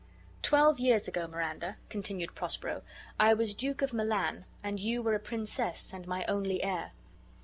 "Twelve years ago, Miranda," continued Prospero, "I was Duke of Milan, and you were a princess, and my only heir.